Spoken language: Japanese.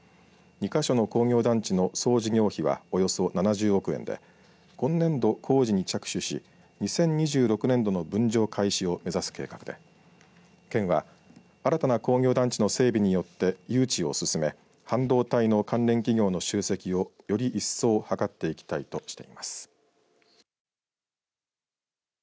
２か所の工業団地の総事業費はおよそ７０億円で今年度、工事に着手し２０２６年度の分譲開始を目指す計画で県は新たな工業団地の整備によって誘致を進め半導体の関連企業の集積をより一層、図っていきたいとしています。